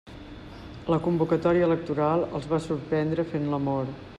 La convocatòria electoral els va sorprendre fent l'amor.